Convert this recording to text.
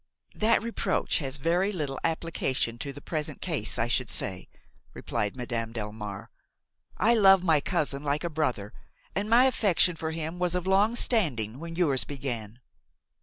"That reproach has very little application to the present case, I should say," replied Madame Delmare. "I love my cousin like a brother, and my affection for him was of long standing when yours began."